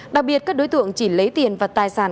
đặc biệt các đối tượng chỉ lấy tiền và tài sản